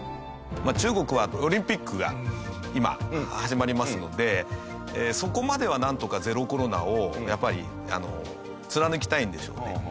中国はオリンピックが今始まりますのでそこまではなんとかゼロコロナをやっぱり貫きたいんでしょうね。